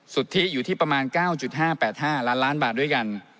สุทธิอยู่ที่ประมาณ๙๕๘๕ล้านล้านบาทด้วยกัน